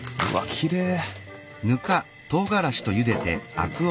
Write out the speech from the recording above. きれい！